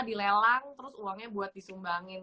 dilelang terus uangnya buat disumbangin